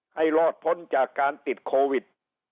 ให้รอดพ้นจากการติดโควิด